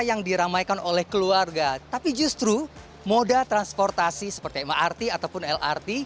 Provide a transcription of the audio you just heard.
yang diramaikan oleh keluarga tapi justru moda transportasi seperti mrt ataupun lrt